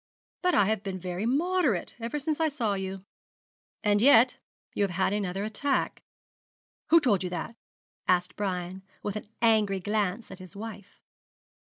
But I have been very moderate ever since I saw you.' 'And yet you have had another attack?' 'Who told you that?' asked Brian, with an angry glance at his wife.